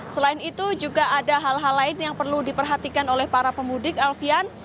selain itu juga ada hal hal lain yang perlu diperhatikan oleh para pemudik alfian